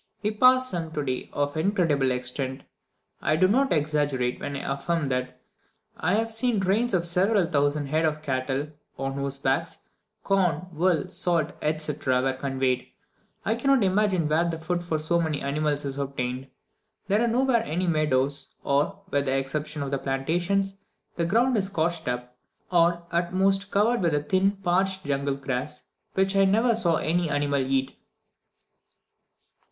We passed some today of incredible extent. I do not exaggerate when I affirm that I have seen trains of several thousand head of cattle, on whose backs, corn, wool, salt, etc., were conveyed. I cannot imagine where the food for so many animals is obtained; there are nowhere any meadows, for, with the exception of the plantations, the ground is scorched up, or at most covered with thin, parched, jungle grass, which I never saw any animal eat.